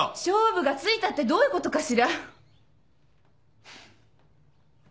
勝負がついたってどういうことかしら？